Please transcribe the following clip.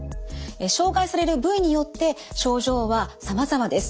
障害される部位によって症状はさまざまです。